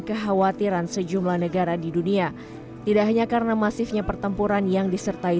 kekhawatiran sejumlah negara di dunia tidak hanya karena masifnya pertempuran yang disertai